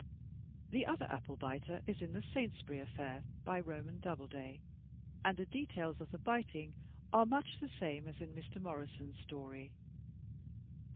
The other apple biter is in "The Saintsbury Affair," by Roman Doubleday, and the details of the biting are much the same as in Mr. Morrison's story.